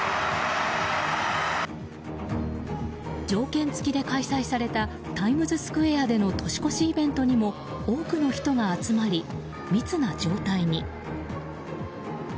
条件付きで開催されたタイムズスクエアでの年越しイベントにも多くの人が集まり密な状態に。